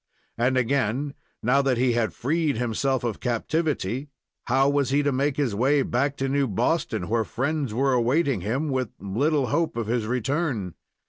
And again, now that he had freed himself of captivity, how was he to make his way back to New Boston, where friends were awaiting him, with little hope of his return?